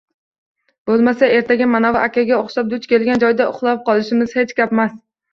Boʻlmasa ertaga manavi akaga oʻxshab, duch kelgan joyda uxlab qolishimiz hech gapmas.